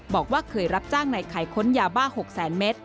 บอกว่าเคยรับจ้างในไข่ค้นยาบ้า๖แสนเมตร